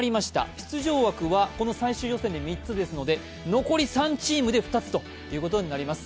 出場枠は３つですので、残り３チームで２つということになります。